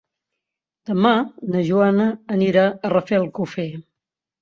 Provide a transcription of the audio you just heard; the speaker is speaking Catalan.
Demà na Joana anirà a Rafelcofer.